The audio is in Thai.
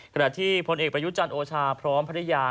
ขณะที่พลเอกประยุจันทร์โอชาพร้อมภรรยา